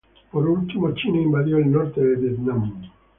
Por último, China invadió el norte de Vietnam.